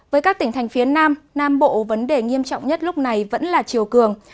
với các tỉnh thành phía nam nam bộ vấn đề nghiêm trọng nhất lúc này vẫn là chiều cường